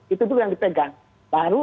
itu dulu yang dipegang baru